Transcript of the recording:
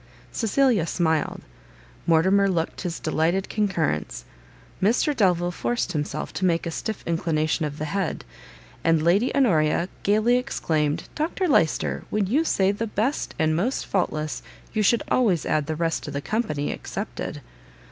Cecilia smiled; Mortimer looked his delighted concurrence; Mr Delvile forced himself to make a stiff inclination of the head; and Lady Honoria gaily exclaimed, "Dr Lyster, when you say the best and the most faultless, you should always add the rest of the company excepted."